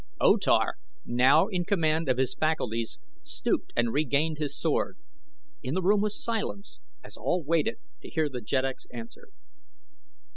O Tar, now in command of his faculties, stooped and regained his sword. In the room was silence as all waited to hear the jeddak's answer.